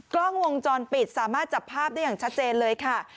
กล้องวงจรปิดสามารถจับภาพได้อย่างชัดเจนเลยค่ะ